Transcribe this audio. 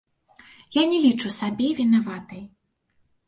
І не лічу сябе вінаватай.